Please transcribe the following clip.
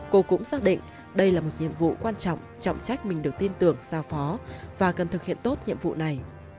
cô cũng xác định đây là một nhiệm vụ quan trọng trọng trách mình được tin tưởng giao phó và cần thực hiện tốt nhiệm vụ này